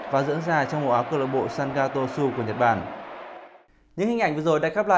và dưỡng dài trong mẫu áo quốc gia